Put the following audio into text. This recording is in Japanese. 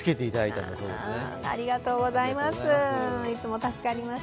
ありがとうございます。